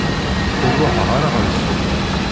Ur ruḥeɣ ara ɣer ssuq.